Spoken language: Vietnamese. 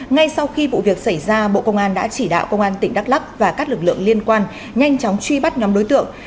ngay sau khi vụ việc xảy ra bộ công an đã chỉ đạo công an tỉnh đắk lắc và các lực lượng liên quan nhanh chóng truy bắt nhóm đối tượng